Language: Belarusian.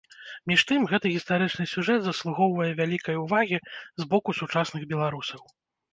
Між тым, гэты гістарычны сюжэт заслугоўвае вялікай увагі з боку сучасных беларусаў.